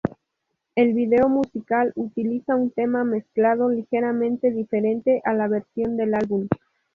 El vídeo musical utiliza un tema mezclado ligeramente diferente a la versión del álbum.